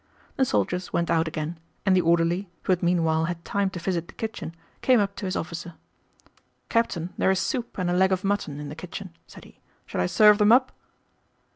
The soldiers went out again, and the orderly, who had meanwhile had time to visit the kitchen, came up to his officer. "Captain, there is soup and a leg of mutton in the kitchen," said he. "Shall I serve them up?"